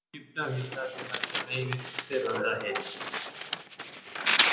نگینے دا اُوہ چِپٹا حِصّہ جیڑھا ڄڑائی وِچ اُتّے رَہن٘دا ہِے۔